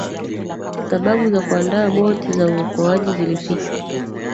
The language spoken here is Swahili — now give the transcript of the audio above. sababu za kuandaa boti za uokoaji zilifichwa